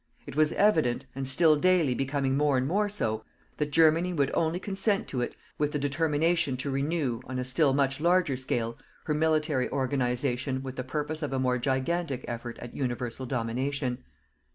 It was evident and still daily becoming more and more so that Germany would only consent to it with the determination to renew, on a still much larger scale, her military organization with the purpose of a more gigantic effort at universal domination.